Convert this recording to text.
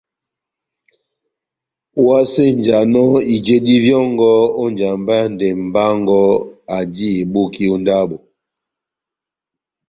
Ohásenjanɔ ijedi vyɔngɔ ó njamba ya ndɛmbɛ wɔngɔ aji eboki ó ndabo.